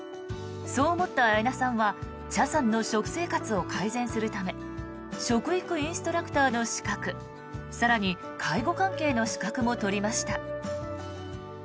そう思った綾菜さんは茶さんの食生活を改善するため食育インストラクターの資格更に、介護関係の資格も取りました。